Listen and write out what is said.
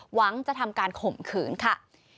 หวังจะทำการข่มขืนค่ะ